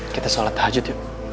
kita sholat tahajud yuk